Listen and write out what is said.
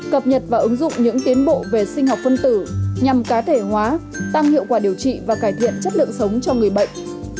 cập nhật và ứng dụng những tiến bộ về sinh học phân tử nhằm cá thể hóa tăng hiệu quả điều trị và cải thiện chất lượng sống cho người bệnh